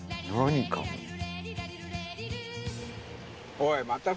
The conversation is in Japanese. おい。